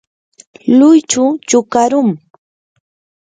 luychu chukarum.